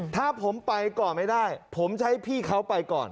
ถ้าผมไปก่อนไม่ได้ผมใช้พี่เขาไปก่อน